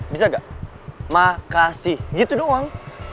bisa gak makasih gitu doang